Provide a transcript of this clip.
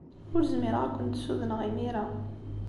Ur zmireɣ ad kent-ssudneɣ imir-a.